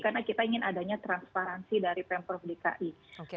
karena kita ingin adanya transparansi dari pemprov dki